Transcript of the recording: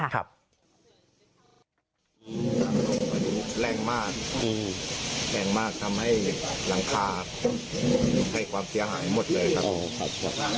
อันนี้แรงมากแรงมากทำให้หลังคาให้ความเสียหายหมดเลยครับ